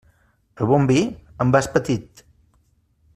El bon vi, en vas petit.